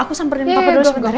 aku samperin papa dulu sebentar ya